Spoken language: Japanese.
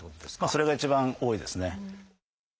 それが一番多いですね。